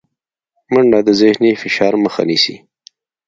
منډه د ذهني فشار مخه نیسي